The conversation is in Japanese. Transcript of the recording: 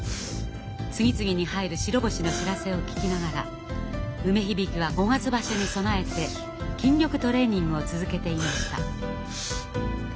次々に入る白星の知らせを聞きながら梅響は五月場所に備えて筋力トレーニングを続けていました。